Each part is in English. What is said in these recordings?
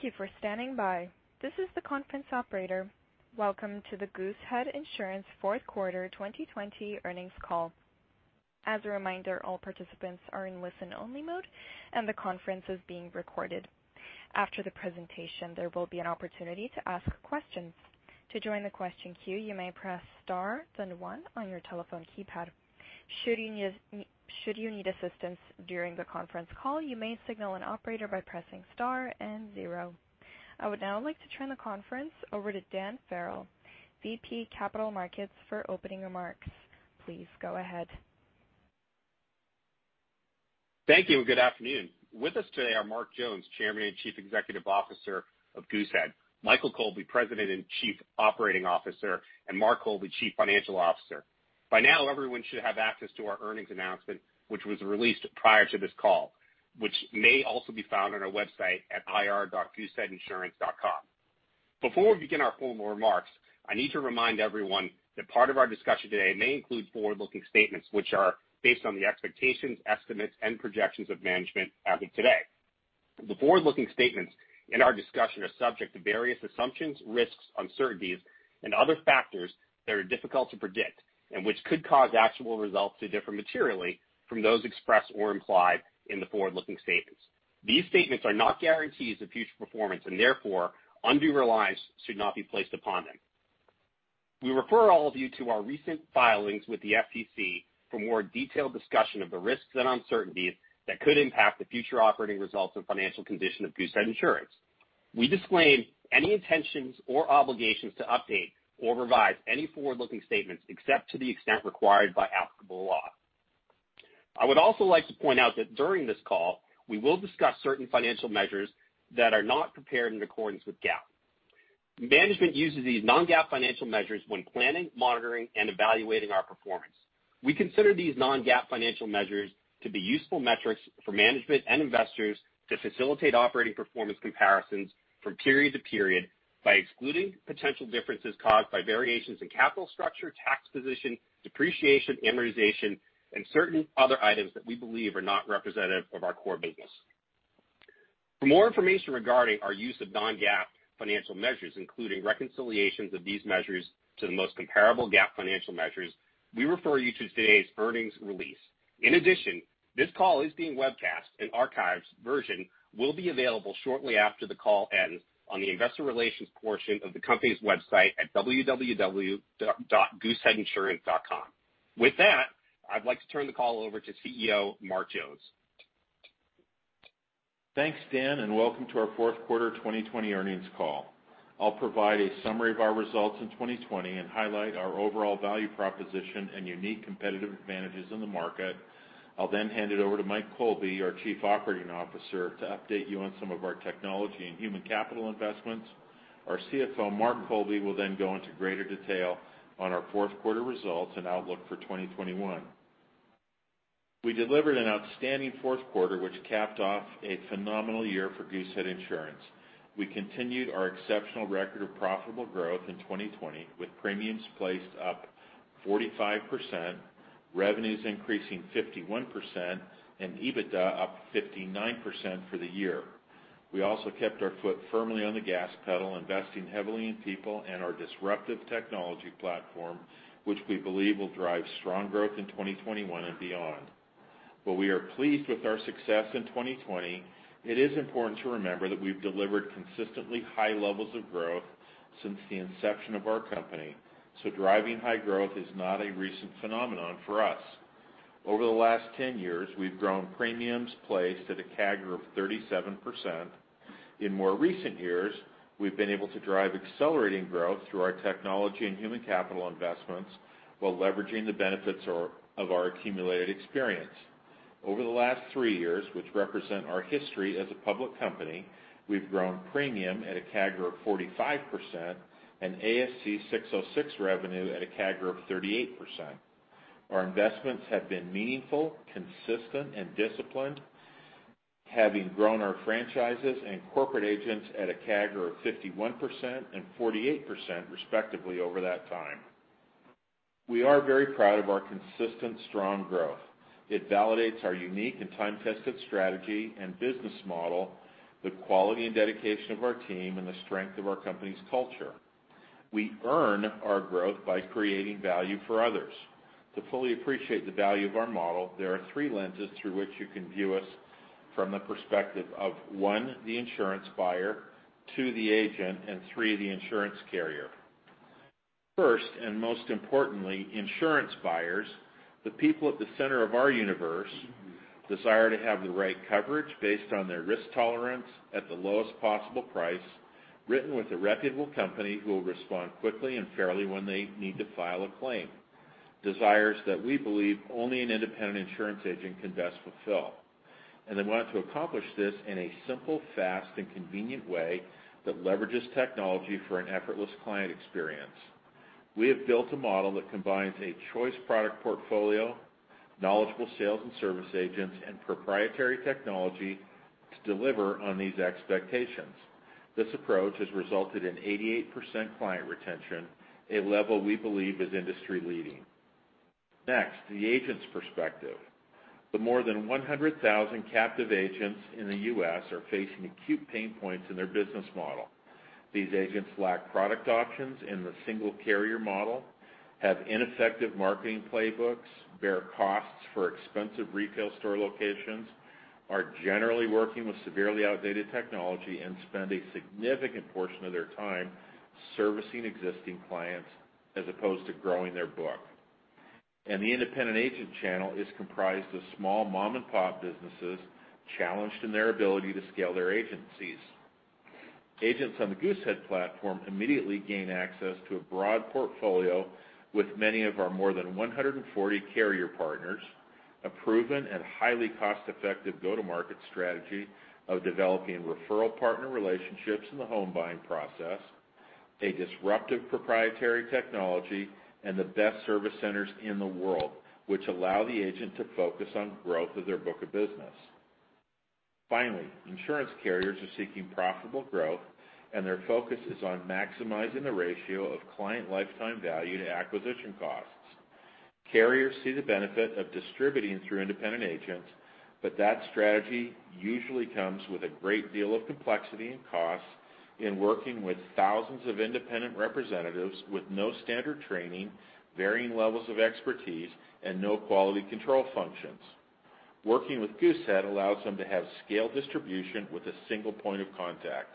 Thank you for standing by. This is the conference operator. Welcome to the Goosehead Insurance fourth quarter 2020 earnings call. As a reminder, all participants are in listen-only mode, and the conference is being recorded. After the presentation, there will be an opportunity to ask questions. To join the question queue, you may press star then one on your telephone keypad. Should you need assistance during the conference call, you may signal an operator by pressing star and zero. I would now like to turn the conference over to Dan Farrell, VP Capital Markets, for opening remarks. Please go ahead. Thank you. Good afternoon. With us today are Mark Jones, Chairman and Chief Executive Officer of Goosehead, Michael Colby, President and Chief Operating Officer, and Mark Colby, Chief Financial Officer. By now, everyone should have access to our earnings announcement, which was released prior to this call, which may also be found on our website at ir.gooseheadinsurance.com. Before we begin our formal remarks, I need to remind everyone that part of our discussion today may include forward-looking statements which are based on the expectations, estimates, and projections of management as of today. The forward-looking statements in our discussion are subject to various assumptions, risks, uncertainties and other factors that are difficult to predict and which could cause actual results to differ materially from those expressed or implied in the forward-looking statements. These statements are not guarantees of future performance, and therefore, undue reliance should not be placed upon them. We refer all of you to our recent filings with the SEC for more detailed discussion of the risks and uncertainties that could impact the future operating results and financial condition of Goosehead Insurance. We disclaim any intentions or obligations to update or revise any forward-looking statements, except to the extent required by applicable law. I would also like to point out that during this call, we will discuss certain financial measures that are not prepared in accordance with GAAP. Management uses these non-GAAP financial measures when planning, monitoring, and evaluating our performance. We consider these non-GAAP financial measures to be useful metrics for management and investors to facilitate operating performance comparisons from period to period by excluding potential differences caused by variations in capital structure, tax position, depreciation, amortization, and certain other items that we believe are not representative of our core business. For more information regarding our use of non-GAAP financial measures, including reconciliations of these measures to the most comparable GAAP financial measures, we refer you to today's earnings release. In addition, this call is being webcast, an archived version will be available shortly after the call ends on the investor relations portion of the company's website at www.gooseheadinsurance.com. With that, I'd like to turn the call over to CEO Mark Jones. Thanks, Dan. Welcome to our fourth quarter 2020 earnings call. I'll provide a summary of our results in 2020 and highlight our overall value proposition and unique competitive advantages in the market. I'll then hand it over to Michael Colby, our Chief Operating Officer, to update you on some of our technology and human capital investments. Our CFO, Mark Colby, will then go into greater detail on our fourth quarter results and outlook for 2021. We delivered an outstanding fourth quarter, which capped off a phenomenal year for Goosehead Insurance. We continued our exceptional record of profitable growth in 2020 with premiums placed up 45%, revenues increasing 51%, and EBITDA up 59% for the year. We also kept our foot firmly on the gas pedal, investing heavily in people and our disruptive technology platform, which we believe will drive strong growth in 2021 and beyond. While we are pleased with our success in 2020, it is important to remember that we've delivered consistently high levels of growth since the inception of our company. Driving high growth is not a recent phenomenon for us. Over the last 10 years, we've grown premiums placed at a CAGR of 37%. In more recent years, we've been able to drive accelerating growth through our technology and human capital investments while leveraging the benefits of our accumulated experience. Over the last three years, which represent our history as a public company, we've grown premium at a CAGR of 45% and ASC 606 revenue at a CAGR of 38%. Our investments have been meaningful, consistent, and disciplined, having grown our franchises and corporate agents at a CAGR of 51% and 48%, respectively, over that time. We are very proud of our consistent, strong growth. It validates our unique and time-tested strategy and business model, the quality and dedication of our team, and the strength of our company's culture. We earn our growth by creating value for others. To fully appreciate the value of our model, there are three lenses through which you can view us from the perspective of, one, the insurance buyer, two, the agent, and three, the insurance carrier. First, most importantly, insurance buyers, the people at the center of our universe, desire to have the right coverage based on their risk tolerance at the lowest possible price, written with a reputable company who will respond quickly and fairly when they need to file a claim. Desires that we believe only an independent insurance agent can best fulfill. They want to accomplish this in a simple, fast, and convenient way that leverages technology for an effortless client experience. We have built a model that combines a choice product portfolio, knowledgeable sales and service agents, and proprietary technology to deliver on these expectations. This approach has resulted in 88% client retention, a level we believe is industry-leading. Next, the agent's perspective. The more than 100,000 captive agents in the U.S. are facing acute pain points in their business model. These agents lack product options in the single carrier model, have ineffective marketing playbooks, bear costs for expensive retail store locations, are generally working with severely outdated technology, and spend a significant portion of their time servicing existing clients as opposed to growing their book. The independent agent channel is comprised of small mom-and-pop businesses challenged in their ability to scale their agencies. Agents on the Goosehead platform immediately gain access to a broad portfolio with many of our more than 140 carrier partners, a proven and highly cost-effective go-to-market strategy of developing referral partner relationships in the home buying process, a disruptive proprietary technology, and the best service centers in the world, which allow the agent to focus on growth of their book of business. Finally, insurance carriers are seeking profitable growth, their focus is on maximizing the ratio of client lifetime value to acquisition costs. Carriers see the benefit of distributing through independent agents, that strategy usually comes with a great deal of complexity and cost in working with thousands of independent representatives with no standard training, varying levels of expertise, and no quality control functions. Working with Goosehead allows them to have scale distribution with a single point of contact.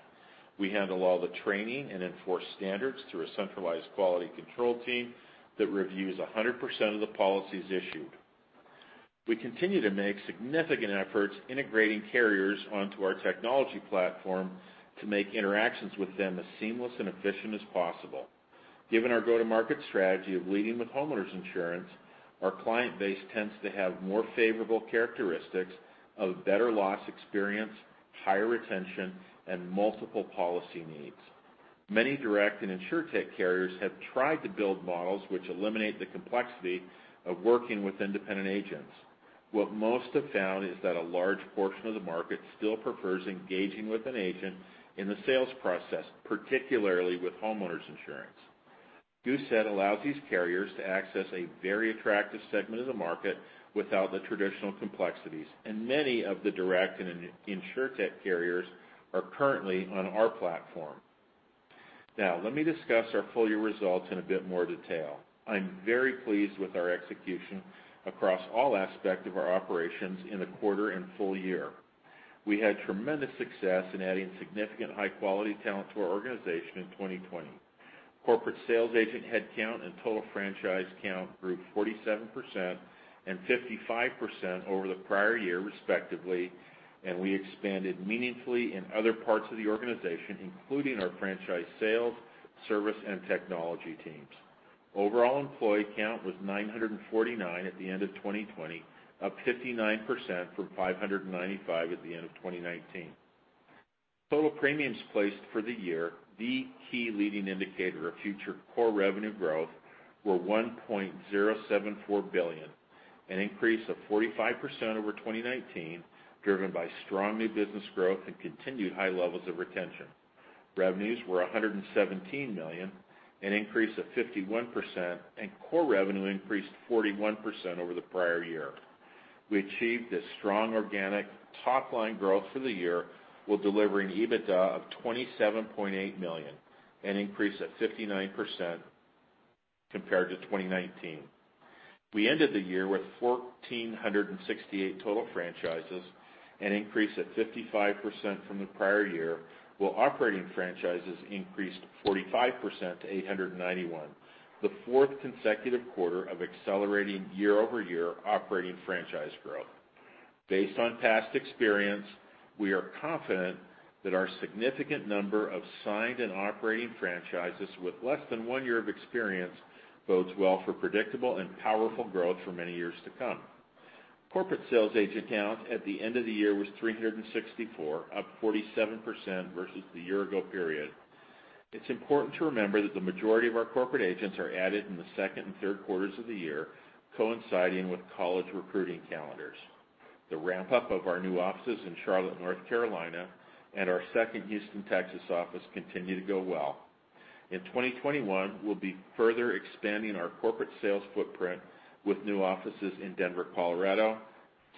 We handle all the training and enforce standards through a centralized quality control team that reviews 100% of the policies issued. We continue to make significant efforts integrating carriers onto our technology platform to make interactions with them as seamless and efficient as possible. Given our go-to-market strategy of leading with homeowners insurance, our client base tends to have more favorable characteristics of better loss experience, higher retention, and multiple policy needs. Many direct and insurtech carriers have tried to build models which eliminate the complexity of working with independent agents. What most have found is that a large portion of the market still prefers engaging with an agent in the sales process, particularly with homeowners insurance. Goosehead allows these carriers to access a very attractive segment of the market without the traditional complexities, many of the direct and insurtech carriers are currently on our platform. Let me discuss our full year results in a bit more detail. I'm very pleased with our execution across all aspects of our operations in the quarter and full year. We had tremendous success in adding significant high-quality talent to our organization in 2020. Corporate sales agent headcount and total franchise count grew 47% and 55% over the prior year respectively, and we expanded meaningfully in other parts of the organization, including our franchise sales, service, and technology teams. Overall employee count was 949 at the end of 2020, up 59% from 595 at the end of 2019. Total premiums placed for the year, the key leading indicator of future core revenue growth, were $1.074 billion, an increase of 45% over 2019, driven by strong new business growth and continued high levels of retention. Revenues were $117 million, an increase of 51%, and core revenue increased 41% over the prior year. We achieved this strong organic top-line growth for the year while delivering EBITDA of $27.8 million, an increase of 59% compared to 2019. We ended the year with 1,468 total franchises, an increase of 55% from the prior year, while operating franchises increased 45% to 891, the fourth consecutive quarter of accelerating year-over-year operating franchise growth. Based on past experience, we are confident that our significant number of signed and operating franchises with less than one year of experience bodes well for predictable and powerful growth for many years to come. Corporate sales agent count at the end of the year was 364, up 47% versus the year ago period. It's important to remember that the majority of our corporate agents are added in the second and third quarters of the year, coinciding with college recruiting calendars. The ramp-up of our new offices in Charlotte, North Carolina, and our second Houston, Texas office continue to go well. In 2021, we'll be further expanding our corporate sales footprint with new offices in Denver, Colorado,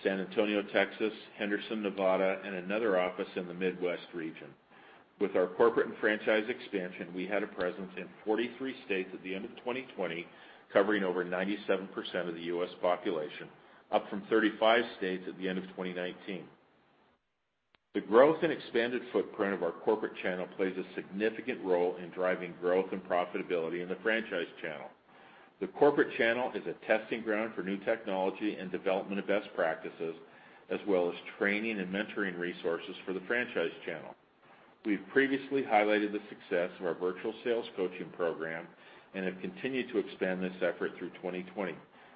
San Antonio, Texas, Henderson, Nevada, and another office in the Midwest region. With our corporate and franchise expansion, we had a presence in 43 states at the end of 2020, covering over 97% of the U.S. population, up from 35 states at the end of 2019. The growth and expanded footprint of our corporate channel plays a significant role in driving growth and profitability in the franchise channel. The corporate channel is a testing ground for new technology and development of best practices, as well as training and mentoring resources for the franchise channel. We've previously highlighted the success of our virtual sales coaching program and have continued to expand this effort through 2020,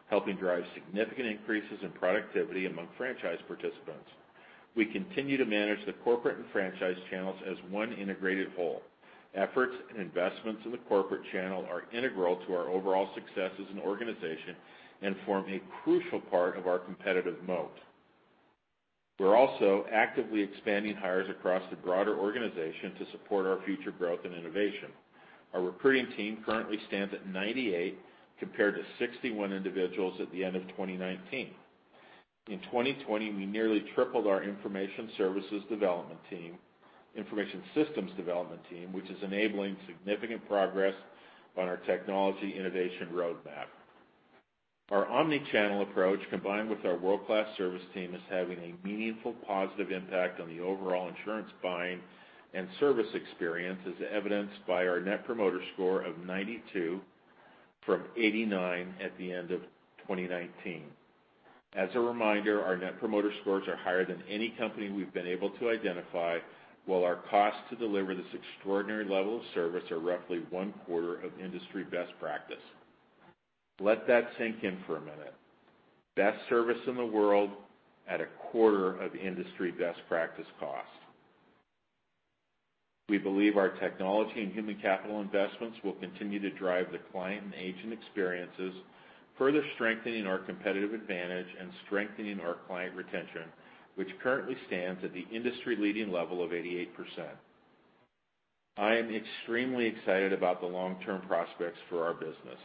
helping drive significant increases in productivity among franchise participants. We continue to manage the corporate and franchise channels as one integrated whole. Efforts and investments in the corporate channel are integral to our overall success as an organization and form a crucial part of our competitive moat. We're also actively expanding hires across the broader organization to support our future growth and innovation. Our recruiting team currently stands at 98 compared to 61 individuals at the end of 2019. In 2020, we nearly tripled our information systems development team, which is enabling significant progress on our technology innovation roadmap. Our omni-channel approach, combined with our world-class service team, is having a meaningful positive impact on the overall insurance buying and service experience, as evidenced by our Net Promoter Score of 92, from 89 at the end of 2019. As a reminder, our Net Promoter Scores are higher than any company we've been able to identify, while our cost to deliver this extraordinary level of service are roughly one-quarter of industry best practice. Let that sink in for a minute. Best service in the world at a quarter of industry best practice costs. We believe our technology and human capital investments will continue to drive the client and agent experiences, further strengthening our competitive advantage and strengthening our client retention, which currently stands at the industry-leading level of 88%. I am extremely excited about the long-term prospects for our business.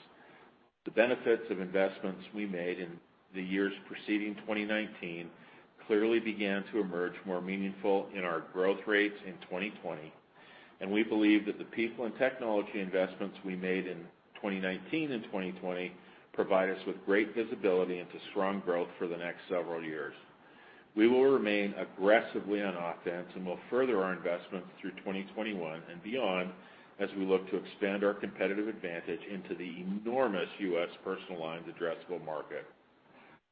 The benefits of investments we made in the years preceding 2019 clearly began to emerge more meaningful in our growth rates in 2020, and we believe that the people and technology investments we made in 2019 and 2020 provide us with great visibility into strong growth for the next several years. We will remain aggressively on offense, and we'll further our investments through 2021 and beyond as we look to expand our competitive advantage into the enormous U.S. personal lines addressable market.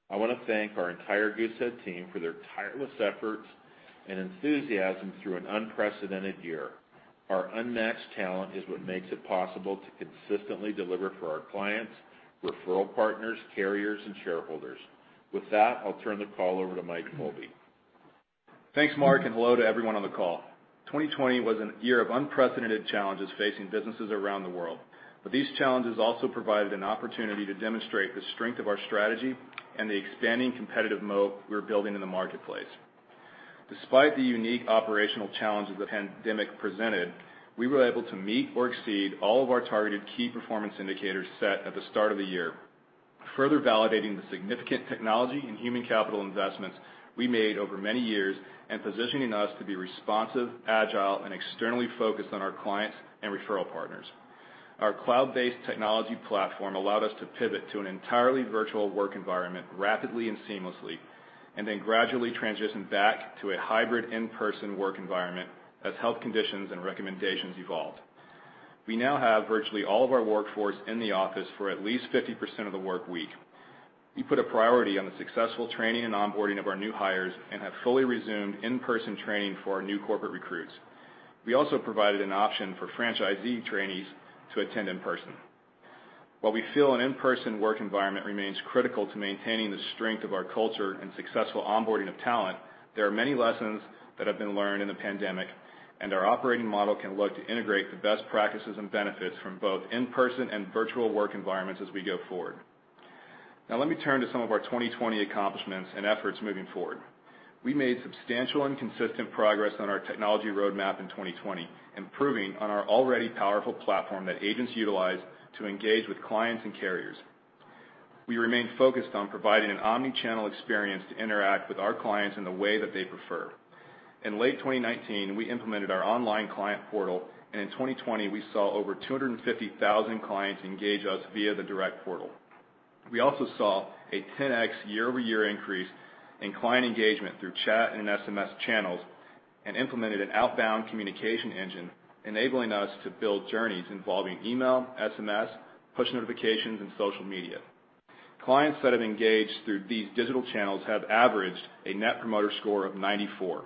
I want to thank our entire Goosehead team for their tireless efforts and enthusiasm through an unprecedented year. Our unmatched talent is what makes it possible to consistently deliver for our clients, referral partners, carriers, and shareholders. With that, I'll turn the call over to Mike Colby. Thanks, Mark, and hello to everyone on the call. 2020 was a year of unprecedented challenges facing businesses around the world. These challenges also provided an opportunity to demonstrate the strength of our strategy and the expanding competitive moat we're building in the marketplace. Despite the unique operational challenges the pandemic presented, we were able to meet or exceed all of our targeted key performance indicators set at the start of the year, further validating the significant technology and human capital investments we made over many years and positioning us to be responsive, agile, and externally focused on our clients and referral partners. Our cloud-based technology platform allowed us to pivot to an entirely virtual work environment rapidly and seamlessly. Then gradually transition back to a hybrid in-person work environment as health conditions and recommendations evolved. We now have virtually all of our workforce in the office for at least 50% of the work week. We put a priority on the successful training and onboarding of our new hires and have fully resumed in-person training for our new corporate recruits. We also provided an option for franchisee trainees to attend in person. While we feel an in-person work environment remains critical to maintaining the strength of our culture and successful onboarding of talent, there are many lessons that have been learned in the pandemic. Our operating model can look to integrate the best practices and benefits from both in-person and virtual work environments as we go forward. Now, let me turn to some of our 2020 accomplishments and efforts moving forward. We made substantial and consistent progress on our technology roadmap in 2020, improving on our already powerful platform that agents utilize to engage with clients and carriers. We remain focused on providing an omni-channel experience to interact with our clients in the way that they prefer. In late 2019, we implemented our online client portal. In 2020 we saw over 250,000 clients engage us via the direct portal. We also saw a 10X year-over-year increase in client engagement through chat and SMS channels. We implemented an outbound communication engine, enabling us to build journeys involving email, SMS, push notifications, and social media. Clients that have engaged through these digital channels have averaged a Net Promoter Score of 94.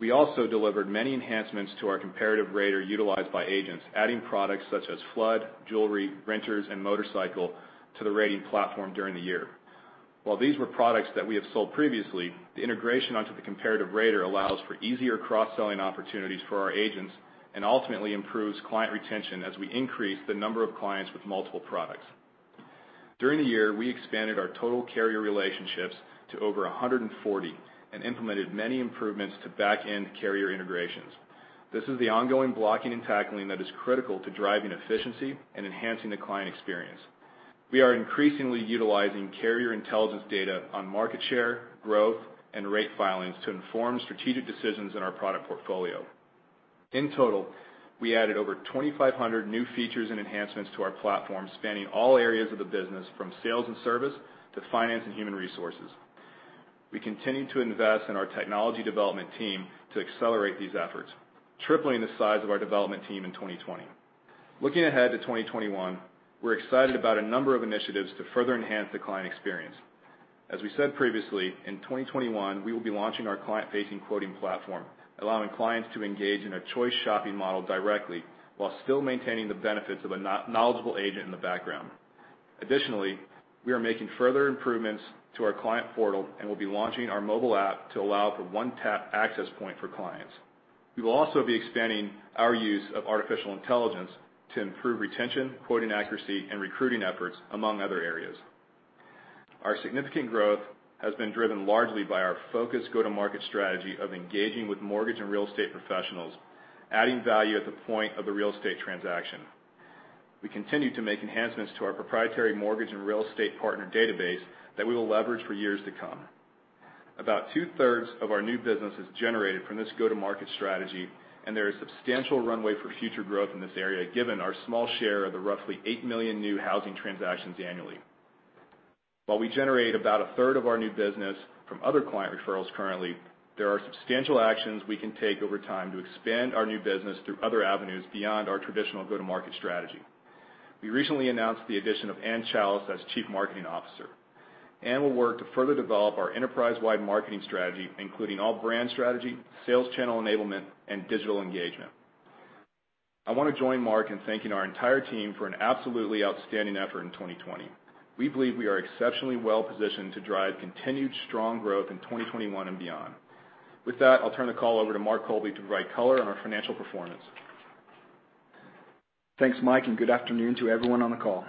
We also delivered many enhancements to our comparative rater utilized by agents, adding products such as flood, jewelry, renters, and motorcycle to the rating platform during the year. While these were products that we have sold previously, the integration onto the comparative rater allows for easier cross-selling opportunities for our agents and ultimately improves client retention as we increase the number of clients with multiple products. During the year, we expanded our total carrier relationships to over 140. We implemented many improvements to back-end carrier integrations. This is the ongoing blocking and tackling that is critical to driving efficiency and enhancing the client experience. We are increasingly utilizing carrier intelligence data on market share, growth, and rate filings to inform strategic decisions in our product portfolio. In total, we added over 2,500 new features and enhancements to our platform, spanning all areas of the business, from sales and service to finance and human resources. We continue to invest in our technology development team to accelerate these efforts, tripling the size of our development team in 2020. Looking ahead to 2021, we're excited about a number of initiatives to further enhance the client experience. As we said previously, in 2021, we will be launching our client-facing quoting platform, allowing clients to engage in a choice shopping model directly while still maintaining the benefits of a knowledgeable agent in the background. Additionally, we are making further improvements to our client portal and will be launching our mobile app to allow for one-tap access point for clients. We will also be expanding our use of artificial intelligence to improve retention, quoting accuracy, and recruiting efforts, among other areas. Our significant growth has been driven largely by our focused go-to-market strategy of engaging with mortgage and real estate professionals, adding value at the point of the real estate transaction. We continue to make enhancements to our proprietary mortgage and real estate partner database that we will leverage for years to come. About two-thirds of our new business is generated from this go-to-market strategy, and there is substantial runway for future growth in this area, given our small share of the roughly 8 million new housing transactions annually. While we generate about a third of our new business from other client referrals currently, there are substantial actions we can take over time to expand our new business through other avenues beyond our traditional go-to-market strategy. We recently announced the addition of Ann Challis as Chief Marketing Officer. Ann will work to further develop our enterprise-wide marketing strategy, including all brand strategy, sales channel enablement, and digital engagement. I want to join Mark in thanking our entire team for an absolutely outstanding effort in 2020. We believe we are exceptionally well-positioned to drive continued strong growth in 2021 and beyond. With that, I'll turn the call over to Mark Colby to provide color on our financial performance. Thanks, Mike, and good afternoon to everyone on the call.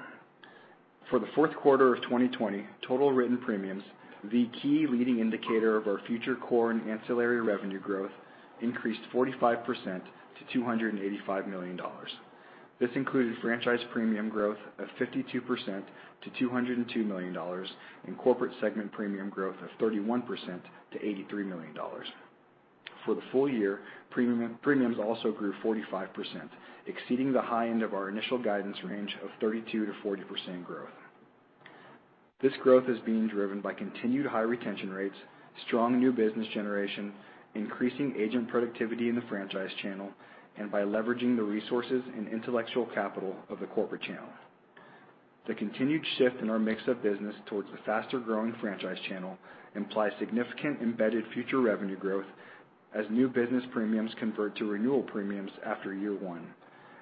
For the fourth quarter of 2020, total written premiums, the key leading indicator of our future core and ancillary revenue growth, increased 45% to $285 million. This included franchise premium growth of 52% to $202 million, and corporate segment premium growth of 31% to $83 million. For the full year, premiums also grew 45%, exceeding the high end of our initial guidance range of 32%-40% growth. This growth is being driven by continued high retention rates, strong new business generation, increasing agent productivity in the franchise channel, and by leveraging the resources and intellectual capital of the corporate channel. The continued shift in our mix of business towards the faster-growing franchise channel implies significant embedded future revenue growth as new business premiums convert to renewal premiums after year one,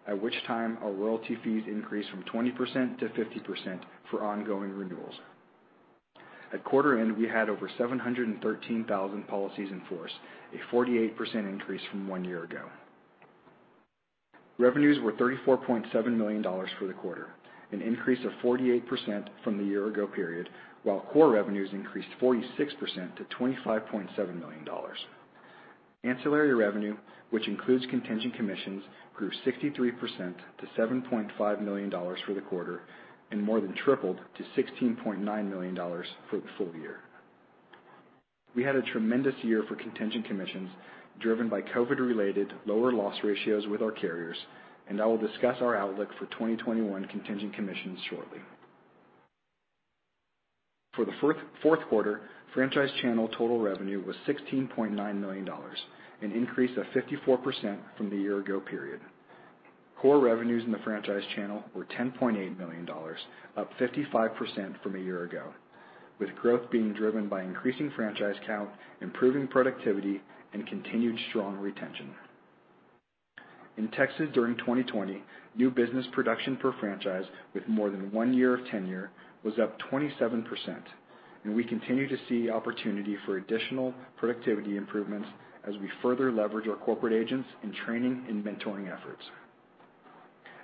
at which time our royalty fees increase from 20% to 50% for ongoing renewals. At quarter end, we had over 713,000 policies in force, a 48% increase from one year ago. Revenues were $34.7 million for the quarter, an increase of 48% from the year ago period, while core revenues increased 46% to $25.7 million. Ancillary revenue, which includes contingent commissions, grew 63% to $7.5 million for the quarter, and more than tripled to $16.9 million for the full year. We had a tremendous year for contingent commissions, driven by COVID-related lower loss ratios with our carriers, and I will discuss our outlook for 2021 contingent commissions shortly. For the fourth quarter, franchise channel total revenue was $16.9 million, an increase of 54% from the year ago period. Core revenues in the franchise channel were $10.8 million, up 55% from a year ago, with growth being driven by increasing franchise count, improving productivity, and continued strong retention. In Texas during 2020, new business production per franchise with more than one year of tenure was up 27%, and we continue to see opportunity for additional productivity improvements as we further leverage our corporate agents in training and mentoring efforts.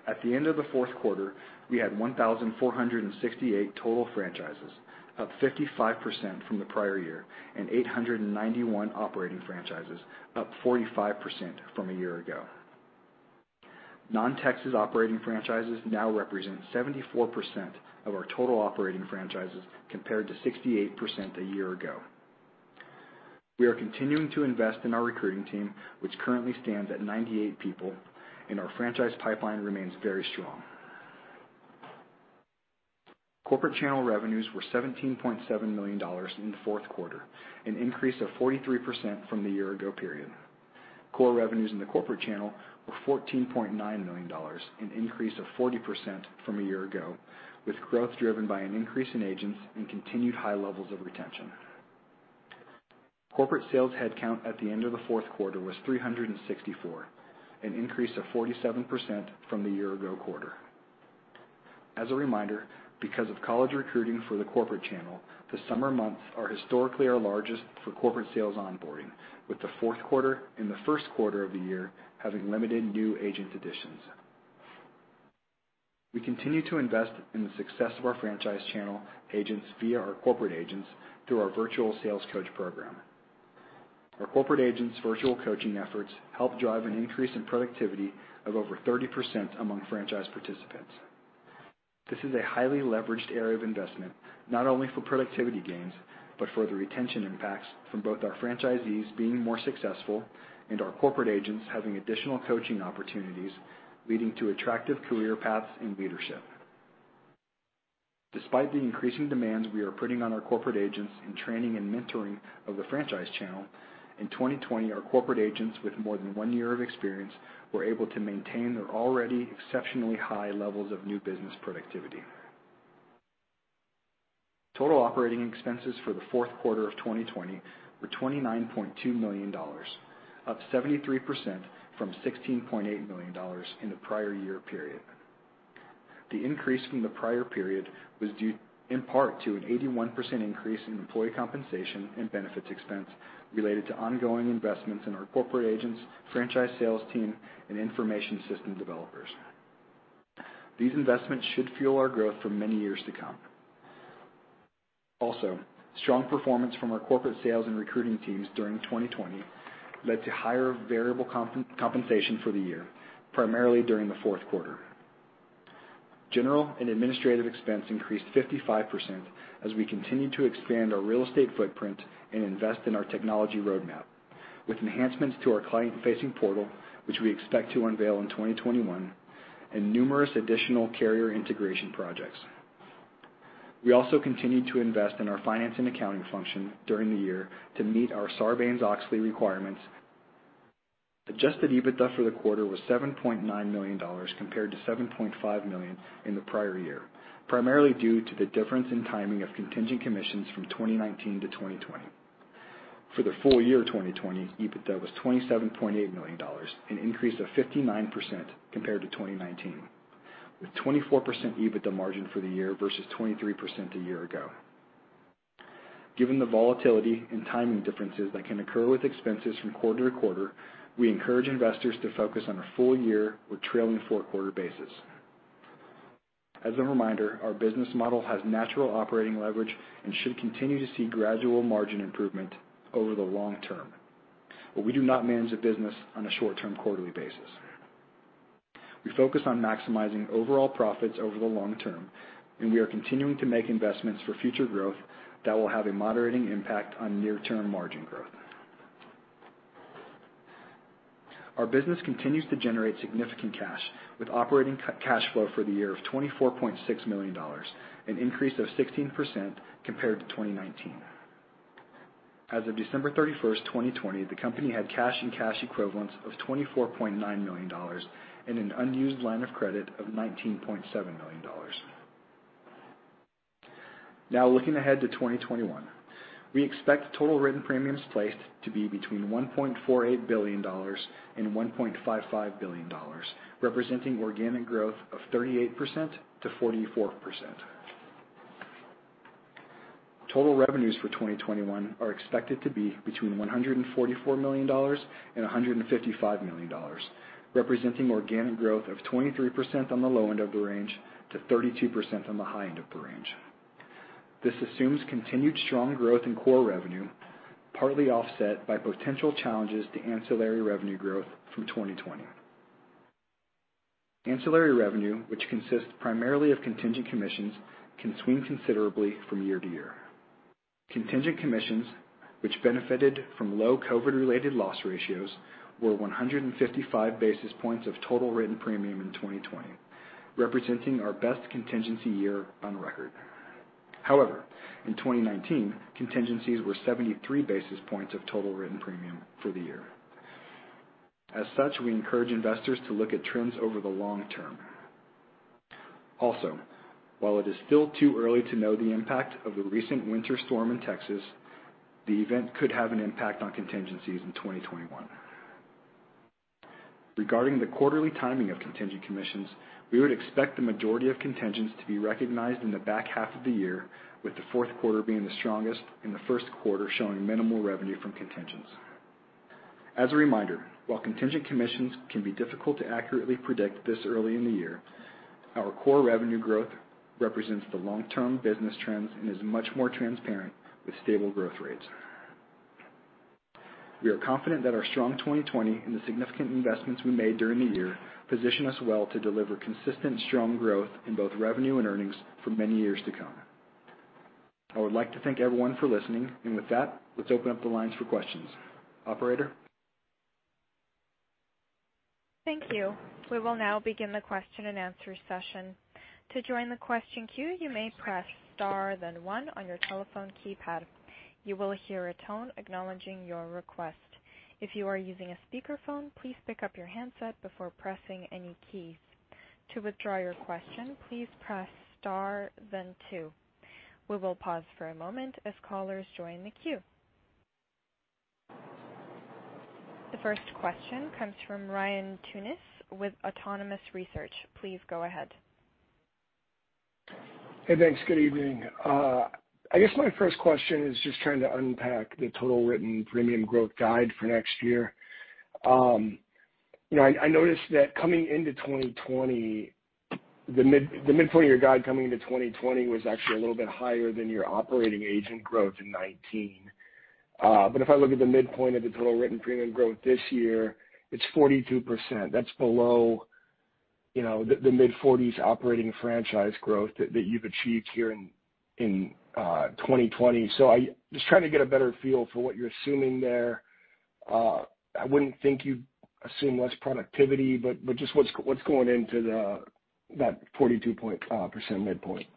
At the end of the fourth quarter, we had 1,468 total franchises, up 55% from the prior year, and 891 operating franchises, up 45% from a year ago. Non-Texas operating franchises now represent 74% of our total operating franchises, compared to 68% a year ago. We are continuing to invest in our recruiting team, which currently stands at 98 people, and our franchise pipeline remains very strong. Corporate channel revenues were $17.7 million in the fourth quarter, an increase of 43% from the year ago period. Core revenues in the corporate channel were $14.9 million, an increase of 40% from a year ago, with growth driven by an increase in agents and continued high levels of retention. Corporate sales headcount at the end of the fourth quarter was 364, an increase of 47% from the year ago quarter. As a reminder, because of college recruiting for the corporate channel, the summer months are historically our largest for corporate sales onboarding, with the fourth quarter and the first quarter of the year having limited new agent additions. We continue to invest in the success of our franchise channel agents via our corporate agents through our virtual sales coach program. Our corporate agents' virtual coaching efforts help drive an increase in productivity of over 30% among franchise participants. This is a highly leveraged area of investment not only for productivity gains, but for the retention impacts from both our franchisees being more successful and our corporate agents having additional coaching opportunities, leading to attractive career paths and leadership. Despite the increasing demands we are putting on our corporate agents in training and mentoring of the franchise channel, in 2020, our corporate agents with more than one year of experience were able to maintain their already exceptionally high levels of new business productivity. Total operating expenses for the fourth quarter of 2020 were $29.2 million, up 73% from $16.8 million in the prior year period. The increase from the prior period was due in part to an 81% increase in employee compensation and benefits expense related to ongoing investments in our corporate agents, franchise sales team, and information system developers. These investments should fuel our growth for many years to come. Strong performance from our corporate sales and recruiting teams during 2020 led to higher variable compensation for the year, primarily during the fourth quarter. General and administrative expense increased 55% as we continued to expand our real estate footprint and invest in our technology roadmap, with enhancements to our client-facing portal, which we expect to unveil in 2021, and numerous additional carrier integration projects. We also continued to invest in our finance and accounting function during the year to meet our Sarbanes-Oxley requirements. Adjusted EBITDA for the quarter was $7.9 million, compared to $7.5 million in the prior year, primarily due to the difference in timing of contingent commissions from 2019 to 2020. For the full year 2020, EBITDA was $27.8 million, an increase of 59% compared to 2019, with 24% EBITDA margin for the year versus 23% a year ago. Given the volatility and timing differences that can occur with expenses from quarter to quarter, we encourage investors to focus on a full year or trailing four-quarter basis. As a reminder, our business model has natural operating leverage and should continue to see gradual margin improvement over the long term. We do not manage the business on a short-term quarterly basis. We focus on maximizing overall profits over the long term, and we are continuing to make investments for future growth that will have a moderating impact on near-term margin growth. Our business continues to generate significant cash, with operating cash flow for the year of $24.6 million, an increase of 16% compared to 2019. As of December 31st, 2020, the company had cash and cash equivalents of $24.9 million and an unused line of credit of $19.7 million. Looking ahead to 2021, we expect total written premiums placed to be between $1.48 billion and $1.55 billion, representing organic growth of 38%-44%. Total revenues for 2021 are expected to be between $144 million and $155 million, representing organic growth of 23% on the low end of the range to 32% on the high end of the range. This assumes continued strong growth in core revenue, partly offset by potential challenges to ancillary revenue growth from 2020. Ancillary revenue, which consists primarily of contingent commissions, can swing considerably from year to year. Contingent commissions, which benefited from low COVID-related loss ratios, were 155 basis points of total written premium in 2020, representing our best contingency year on record. However, in 2019, contingencies were 73 basis points of total written premium for the year. As such, we encourage investors to look at trends over the long term. While it is still too early to know the impact of the recent winter storm in Texas, the event could have an impact on contingencies in 2021. Regarding the quarterly timing of contingent commissions, we would expect the majority of contingents to be recognized in the back half of the year, with the fourth quarter being the strongest and the first quarter showing minimal revenue from contingents. As a reminder, while contingent commissions can be difficult to accurately predict this early in the year, our core revenue growth represents the long-term business trends and is much more transparent with stable growth rates. We are confident that our strong 2020 and the significant investments we made during the year position us well to deliver consistent, strong growth in both revenue and earnings for many years to come. I would like to thank everyone for listening. With that, let's open up the lines for questions. Operator? Thank you. We will now begin the question and answer session. To join the question queue, you may press star, then one on your telephone keypad. You will hear a tone acknowledging your request. If you are using a speakerphone, please pick up your handset before pressing any keys. To withdraw your question, please press star then two. We will pause for a moment as callers join the queue. The first question comes from Ryan Tunis with Autonomous Research. Please go ahead. Hey, thanks. Good evening. I guess my first question is just trying to unpack the total written premium growth guide for next year. I noticed that coming into 2020, the midpoint of your guide coming into 2020 was actually a little bit higher than your operating agent growth in 2019. If I look at the midpoint of the total written premium growth this year, it's 42%. That's below the mid-40s operating franchise growth that you've achieved here in 2020. I'm just trying to get a better feel for what you're assuming there. I wouldn't think you'd assume less productivity, just what's going into that 42% midpoint?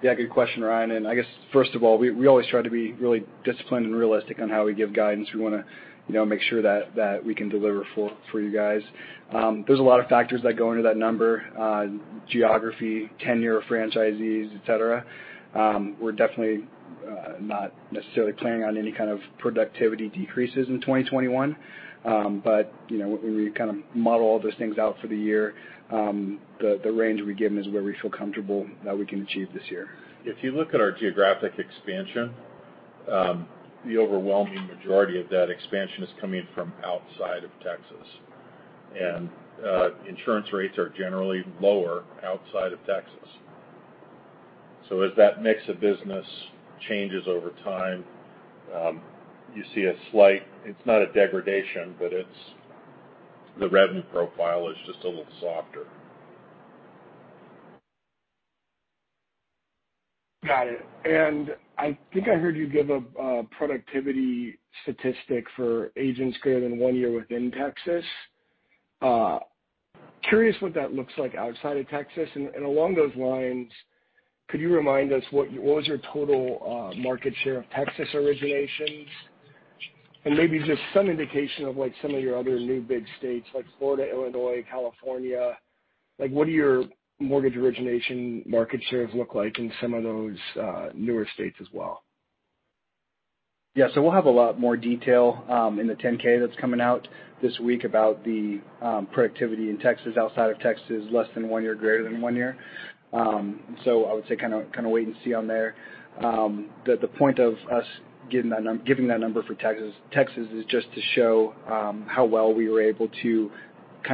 Yeah, good question, Ryan. I guess, first of all, we always try to be really disciplined and realistic on how we give guidance. We want to make sure that we can deliver for you guys. There's a lot of factors that go into that number: geography, tenure of franchisees, et cetera. We're definitely Not necessarily planning on any kind of productivity decreases in 2021. When we model all those things out for the year, the range we've given is where we feel comfortable that we can achieve this year. If you look at our geographic expansion, the overwhelming majority of that expansion is coming from outside of Texas, and insurance rates are generally lower outside of Texas. As that mix of business changes over time, you see a slight, it's not a degradation, but the revenue profile is just a little softer. Got it. I think I heard you give a productivity statistic for agents greater than one year within Texas. Curious what that looks like outside of Texas. Along those lines, could you remind us what was your total market share of Texas originations? Maybe just some indication of some of your other new big states like Florida, Illinois, California. What do your mortgage origination market shares look like in some of those newer states as well? Yeah. We'll have a lot more detail in the 10-K that's coming out this week about the productivity in Texas, outside of Texas, less than one year, greater than one year. I would say wait and see on there. The point of us giving that number for Texas is just to show how well we were able to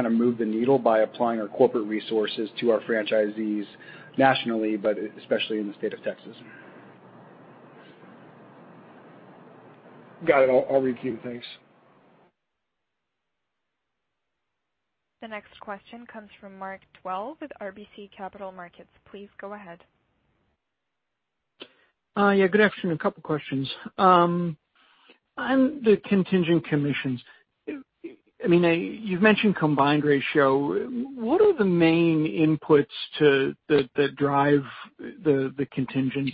move the needle by applying our corporate resources to our franchisees nationally, but especially in the state of Texas. Got it. I'll read through. Thanks. The next question comes from Mark Hughes with RBC Capital Markets. Please go ahead. Yeah, good afternoon. A couple questions. On the contingent commissions, you've mentioned combined ratio. What are the main inputs that drive the contingents?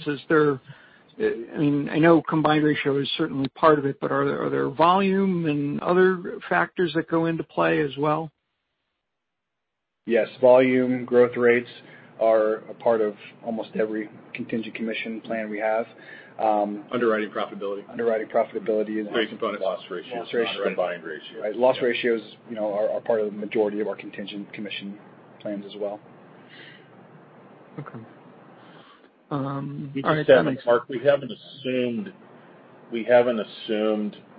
I know combined ratio is certainly part of it, but are there volume and other factors that go into play as well? Yes. Volume growth rates are a part of almost every contingent commission plan we have. Underwriting profitability. Underwriting profitability is- Big component Loss ratios- Loss ratios combined ratio. Right. Loss ratios are part of the majority of our contingent commission plans as well. Okay. Mark, we haven't assumed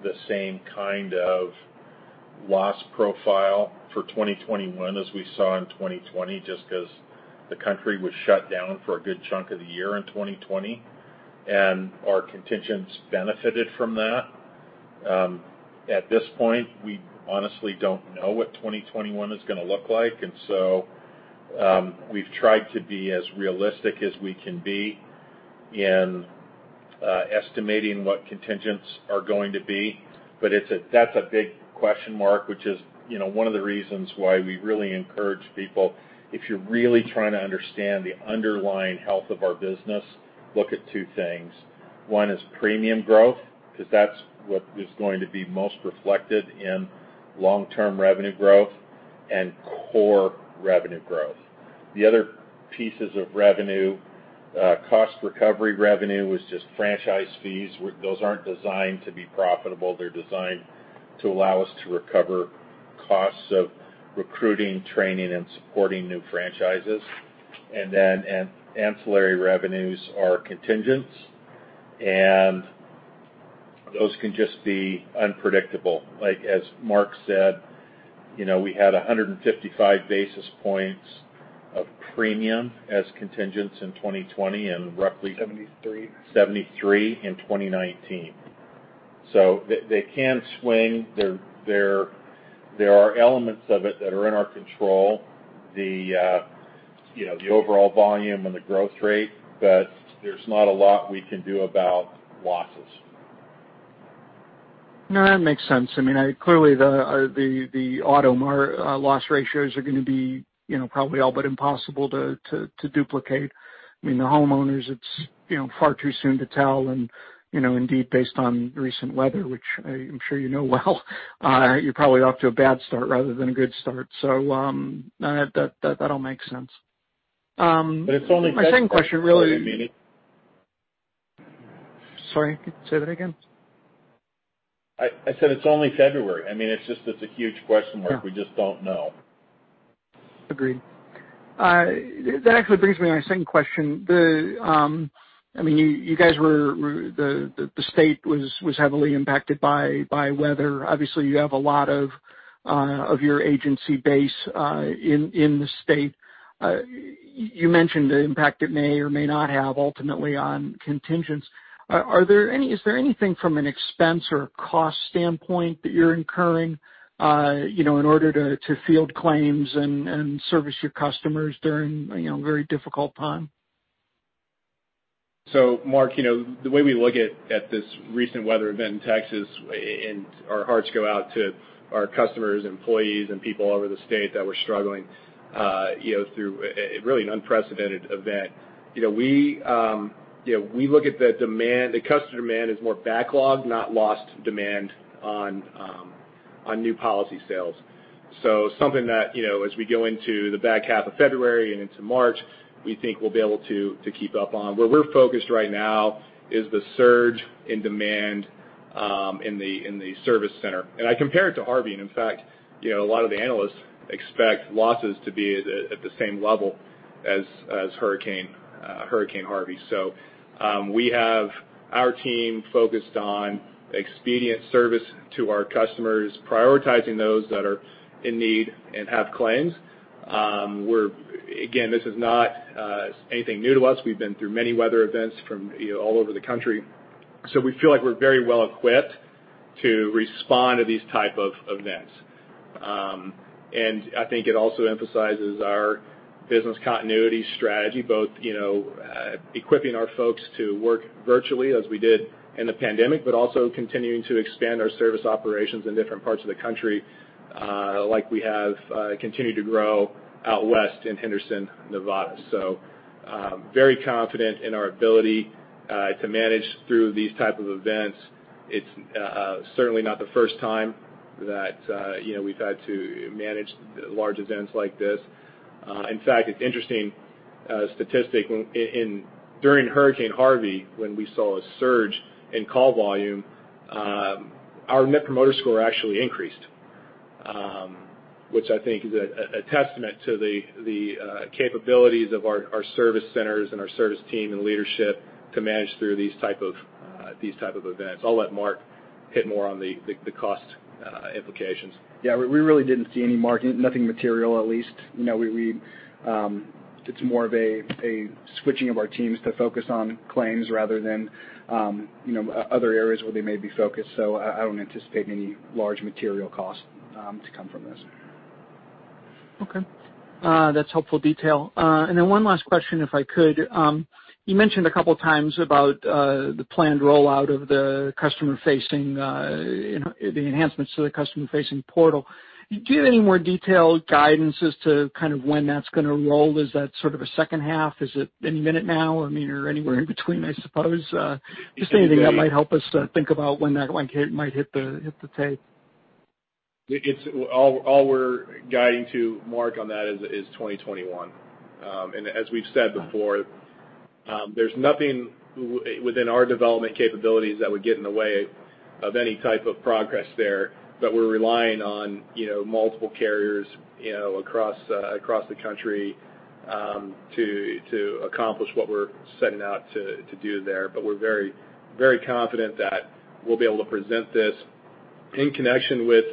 the same kind of loss profile for 2021 as we saw in 2020, just because the country was shut down for a good chunk of the year in 2020, and our contingents benefited from that. At this point, we honestly don't know what 2021 is going to look like, and so we've tried to be as realistic as we can be in estimating what contingents are going to be. That's a big question mark, which is one of the reasons why we really encourage people, if you're really trying to understand the underlying health of our business, look at two things. One is premium growth, because that's what is going to be most reflected in long-term revenue growth, and core revenue growth. The other pieces of revenue, cost recovery revenue, is just franchise fees. Those aren't designed to be profitable. They're designed to allow us to recover costs of recruiting, training, and supporting new franchises. Ancillary revenues are contingents, and those can just be unpredictable. As Mark said, we had 155 basis points of premium as contingents in 2020. Seventy-three 73 in 2019. They can swing. There are elements of it that are in our control, the overall volume and the growth rate, there's not a lot we can do about losses. No, that makes sense. Clearly, the auto loss ratios are going to be probably all but impossible to duplicate. The homeowners, it's far too soon to tell, and indeed, based on recent weather, which I'm sure you know well, you're probably off to a bad start rather than a good start. That all makes sense. It's only February. My second question. I mean, it. Sorry, say that again. I said it's only February. It's a huge question mark. Yeah. We just don't know. Agreed. That actually brings me to my second question. The state was heavily impacted by weather. Obviously, you have a lot of your agency base in the state. You mentioned the impact it may or may not have ultimately on contingents. Is there anything from an expense or cost standpoint that you're incurring in order to field claims and service your customers during a very difficult time? Mark, the way we look at this recent weather event in Texas, and our hearts go out to our customers, employees, and people all over the state that were struggling through really an unprecedented event. We look at the customer demand as more backlog, not lost demand on On new policy sales. Something that, as we go into the back half of February and into March, we think we'll be able to keep up on. Where we're focused right now is the surge in demand in the service center. I compare it to Harvey, and in fact, a lot of the analysts expect losses to be at the same level as Hurricane Harvey. We have our team focused on expedient service to our customers, prioritizing those that are in need and have claims. Again, this is not anything new to us. We've been through many weather events from all over the country. We feel like we're very well equipped to respond to these type of events. I think it also emphasizes our business continuity strategy, both equipping our folks to work virtually as we did in the pandemic, but also continuing to expand our service operations in different parts of the country like we have continued to grow out west in Henderson, Nevada. Very confident in our ability to manage through these type of events. It's certainly not the first time that we've had to manage large events like this. In fact, it's interesting statistic during Hurricane Harvey, when we saw a surge in call volume, our Net Promoter Score actually increased, which I think is a testament to the capabilities of our service centers and our service team and leadership to manage through these type of events. I'll let Mark hit more on the cost implications. Yeah, we really didn't see any market, nothing material, at least. It's more of a switching of our teams to focus on claims rather than other areas where they may be focused. I don't anticipate any large material costs to come from this. Okay. That's helpful detail. Then one last question, if I could. You mentioned a couple of times about the planned rollout of the enhancements to the customer-facing portal. Do you have any more detailed guidance as to kind of when that's going to roll? Is that sort of a second half? Is it any minute now, or anywhere in between, I suppose? Just anything that might help us to think about when that might hit the tape. All we're guiding to Mark on that is 2021. As we've said before, there's nothing within our development capabilities that would get in the way of any type of progress there, but we're relying on multiple carriers across the country to accomplish what we're setting out to do there. We're very confident that we'll be able to present this in connection with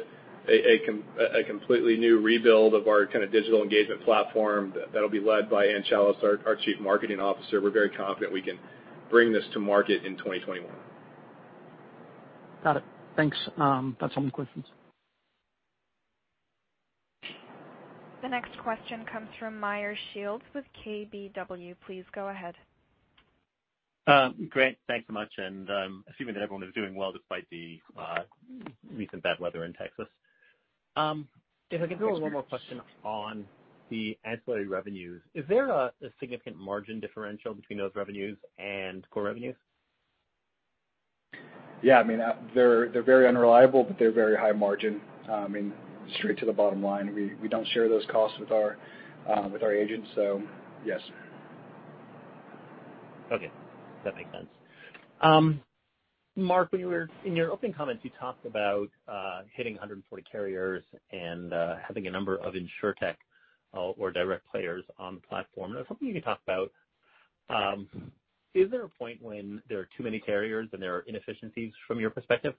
a completely new rebuild of our kind of digital engagement platform that'll be led by Ann Challis, our Chief Marketing Officer. We're very confident we can bring this to market in 2021. Got it. Thanks. That's all my questions. The next question comes from Meyer Shields with KBW. Please go ahead. Great, thanks so much. I'm assuming that everyone is doing well despite the recent bad weather in Texas. Thanks, Meyer. If I can do one more question on the ancillary revenues. Is there a significant margin differential between those revenues and core revenues? Yeah. They're very unreliable, but they're very high margin. Straight to the bottom line. We don't share those costs with our agents. Yes. Okay. That makes sense. Mark, in your opening comments, you talked about hitting 140 carriers and having a number of insurtech or direct players on the platform. I was hoping you could talk about, is there a point when there are too many carriers and there are inefficiencies from your perspective?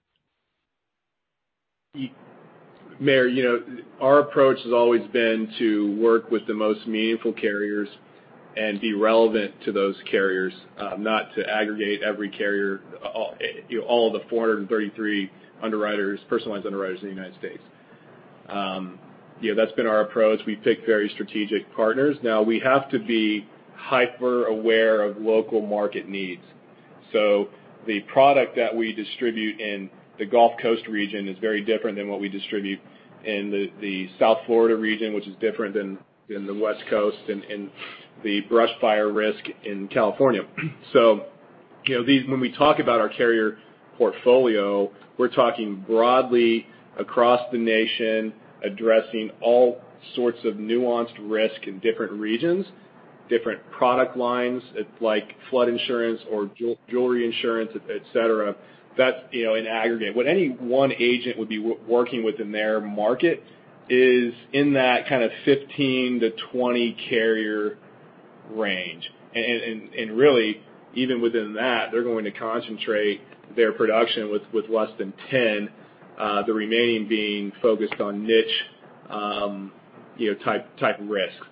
Meyer, our approach has always been to work with the most meaningful carriers and be relevant to those carriers, not to aggregate every carrier, all the 433 personal lines underwriters in the United States. That's been our approach. We pick very strategic partners. Now we have to be hyper-aware of local market needs. The product that we distribute in the Gulf Coast region is very different than what we distribute in the South Florida region, which is different than in the West Coast and the brush fire risk in California. When we talk about our carrier portfolio, we're talking broadly across the nation, addressing all sorts of nuanced risk in different regions, different product lines like flood insurance or jewelry insurance, et cetera. That's in aggregate. What any one agent would be working with in their market is in that kind of 15-20 carrier range. Really, even within that, they're going to concentrate their production with less than 10, the remaining being focused on niche type risks.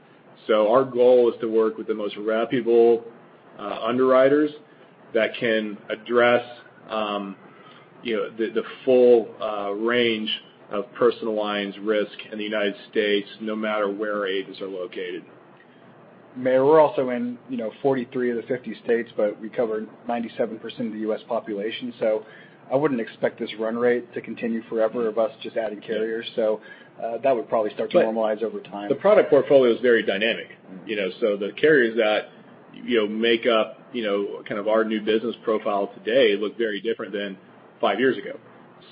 Our goal is to work with the most reputable underwriters that can address the full range of personal lines risk in the U.S., no matter where agents are located. Meyer, we're also in 43 of the 50 states, we cover 97% of the U.S. population. I wouldn't expect this run rate to continue forever of us just adding carriers. That would probably start to normalize over time. The product portfolio is very dynamic. The carriers that make up our new business profile today look very different than five years ago.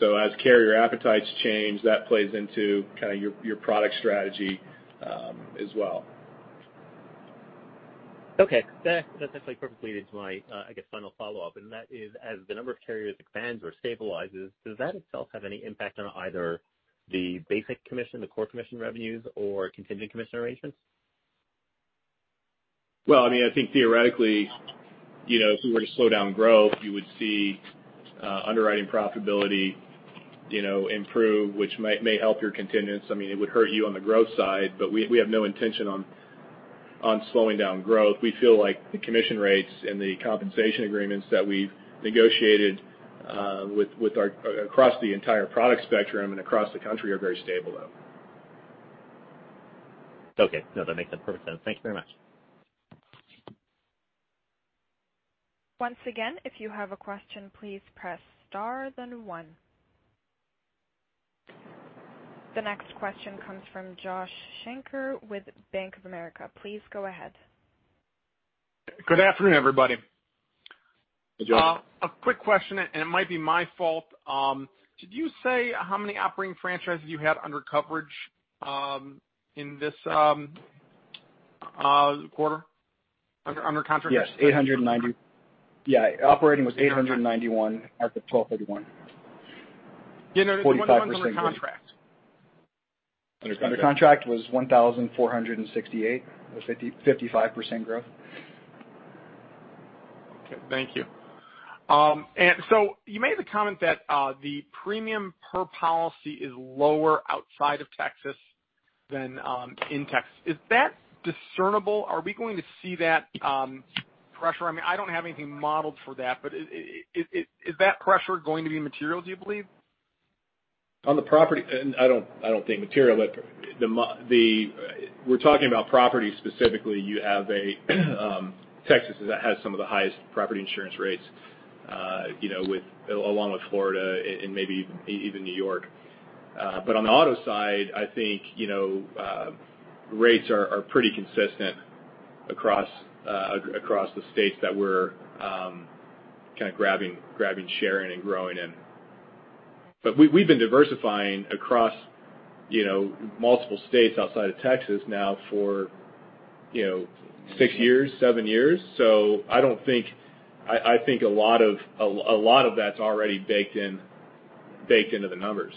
As carrier appetites change, that plays into your product strategy as well. Okay. That actually perfectly leads my, I guess, final follow-up, that is, as the number of carriers expands or stabilizes, does that itself have any impact on either the basic commission, the core commission revenues, or contingent commission arrangements? Well, I think theoretically, if we were to slow down growth, you would see underwriting profitability improve, which may help your contingents. It would hurt you on the growth side, but we have no intention on slowing down growth. We feel like the commission rates and the compensation agreements that we've negotiated across the entire product spectrum and across the country are very stable, though. Okay. No, that makes perfect sense. Thank you very much. Once again, if you have a question, please press star then one. The next question comes from Joshua Shanker with Bank of America. Please go ahead. Good afternoon, everybody. Hey, Josh. A quick question, it might be my fault. Did you say how many operating franchises you had under coverage in this quarter? Under contract? Yes. Operating was 891 as of 1231. Yeah, no. 45% growth. I'm wondering about under contract. Under contract was 1,468, with 55% growth. Okay. Thank you. You made the comment that the premium per policy is lower outside of Texas than in Texas. Is that discernible? Are we going to see that pressure? I don't have anything modeled for that, but is that pressure going to be material, do you believe? On the property, I don't think material. We're talking about property specifically. Texas has some of the highest property insurance rates along with Florida and maybe even New York. On the auto side, I think rates are pretty consistent across the states that we're grabbing share in and growing in. We've been diversifying across multiple states outside of Texas now for six years, seven years. I think a lot of that's already baked into the numbers.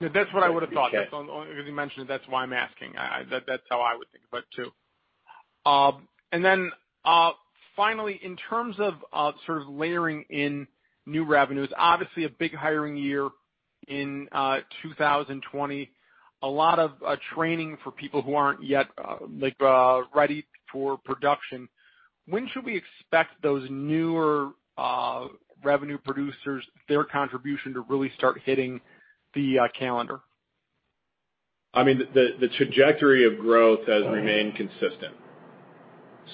No, that's what I would have thought. Because you mentioned it, that's why I'm asking. That's how I would think of it, too. Finally, in terms of layering in new revenues, obviously a big hiring year in 2020. A lot of training for people who aren't yet ready for production. When should we expect those newer revenue producers, their contribution to really start hitting the calendar? The trajectory of growth has remained consistent.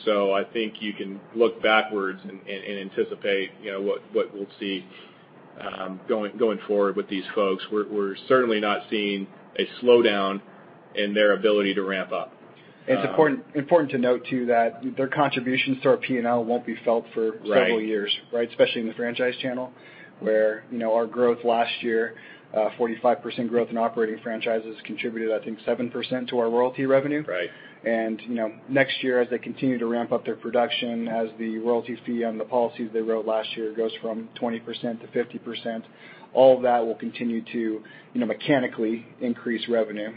I think you can look backwards and anticipate what we'll see going forward with these folks. We're certainly not seeing a slowdown in their ability to ramp up. It's important to note, too, that their contributions to our P&L won't be felt for several years, especially in the franchise channel, where our growth last year, 45% growth in operating franchises contributed, I think, 7% to our royalty revenue. Right. next year, as they continue to ramp up their production, as the royalty fee on the policies they wrote last year goes from 20% to 50%, all of that will continue to mechanically increase revenue.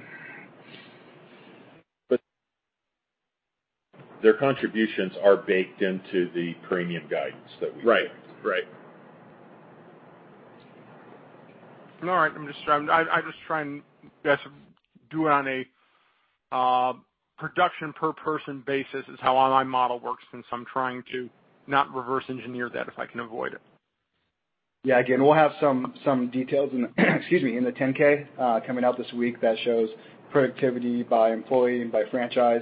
Their contributions are baked into the premium guidance that we give. Right. All right. I'm just trying to do it on a production per person basis is how my model works, and so I'm trying to not reverse engineer that if I can avoid it. Yeah. Again, we'll have some details in the 10-K coming out this week that shows productivity by employee and by franchise,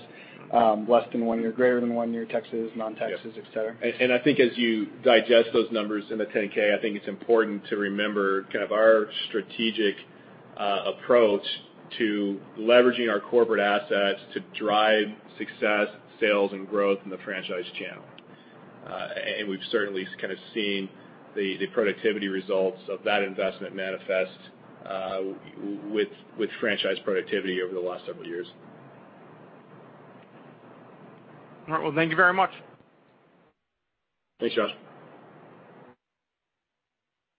less than one year, greater than one year, Texas, non-Texas, et cetera. I think as you digest those numbers in the 10-K, I think it's important to remember our strategic approach to leveraging our corporate assets to drive success, sales, and growth in the franchise channel. We've certainly seen the productivity results of that investment manifest with franchise productivity over the last several years. All right. Well, thank you very much. Thanks, Josh.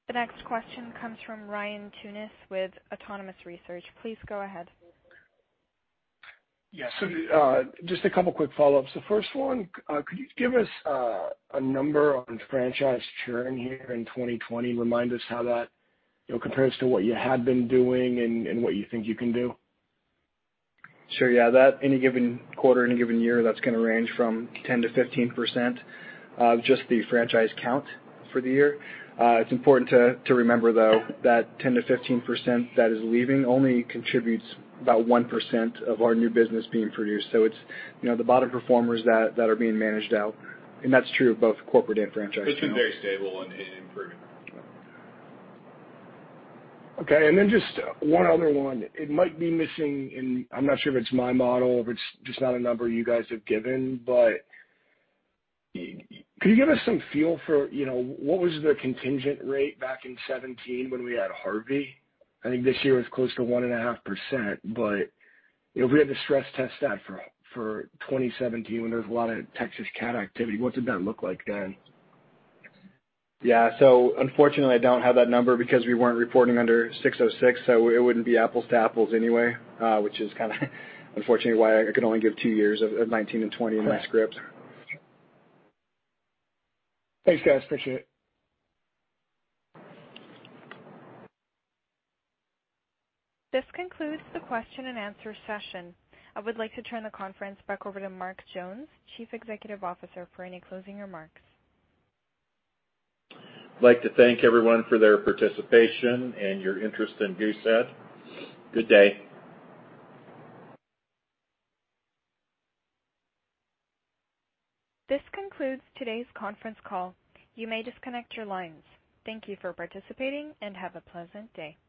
The next question comes from Ryan Tunis with Autonomous Research. Please go ahead. Just a couple quick follow-ups. The first one, could you give us a number on franchise churn here in 2020? Remind us how that compares to what you had been doing and what you think you can do. Sure. Yeah. Any given quarter, any given year, that's going to range from 10%-15% of just the franchise count for the year. It's important to remember, though, that 10%-15% that is leaving only contributes about 1% of our new business being produced. It's the bottom performers that are being managed out, and that's true of both corporate and franchise. It's been very stable and improving. Okay. Just one other one. It might be missing in, I'm not sure if it's my model or if it's just not a number you guys have given, but could you give us some feel for what was the contingent rate back in 2017 when we had Harvey? I think this year it was close to 1.5%, but if we had to stress test that for 2017 when there was a lot of Texas cat activity, what did that look like then? Unfortunately, I don't have that number because we weren't reporting under 606, so it wouldn't be apples to apples anyway, which is kind of unfortunately why I could only give two years of 2019 and 2020 in my script. Thanks, guys. Appreciate it. This concludes the question and answer session. I would like to turn the conference back over to Mark Jones, Chief Executive Officer, for any closing remarks. I'd like to thank everyone for their participation and your interest in Goosehead. Good day. This concludes today's conference call. You may disconnect your lines. Thank you for participating, and have a pleasant day.